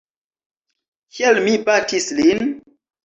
Kial mi batis lin?